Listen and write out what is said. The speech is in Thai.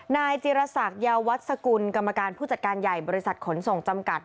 นายจิรษักยาวัฒกุลกรรมการผู้จัดการใหญ่บริษัทขนส่งจำกัด